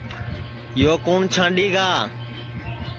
یو کُوٹؔ چھانٚڈؔ گا